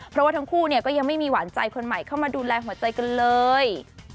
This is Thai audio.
เพราะว่าทั้งคู่เนี่ยก็ยังไม่มีหวานใจคนใหม่เข้ามาดูแลหัวใจกันเลย